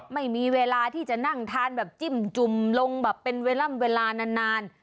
ไม่มีเวลาที่จะนั่งทานแบบจิ้มจุ่มลงแบบเป็นเวลานาน